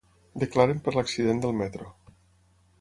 Declaren per l’accident del metro.